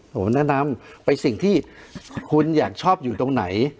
ผมแนะนำไปสิ่งที่คุณอยากชอบอยู่ตรงไหน